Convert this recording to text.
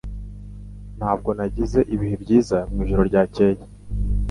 Ntabwo nagize ibihe byiza mwijoro ryakeye